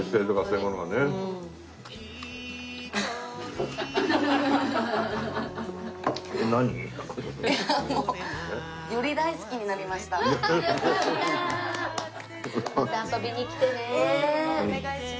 うんお願いします。